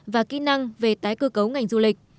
và kỹ năng về tái cơ cấu ngành du lịch